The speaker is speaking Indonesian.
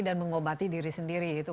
dan mengobati diri sendiri